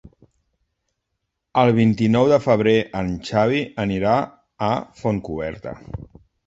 El vint-i-nou de febrer en Xavi anirà a Fontcoberta.